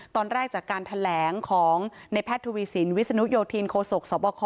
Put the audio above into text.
ตอนแรกจากการแถลงของในแพทย์ทวีสินวิศนุโยธินโคศกสบค